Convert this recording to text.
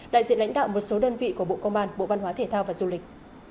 đại diện lãnh đạo một số đơn vị của bộ công an bộ văn hóa thể thao và du lịch